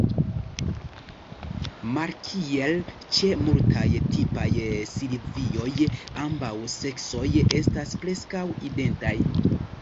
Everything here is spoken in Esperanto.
Malkiel ĉe multaj tipaj silvioj, ambaŭ seksoj estas preskaŭ identaj.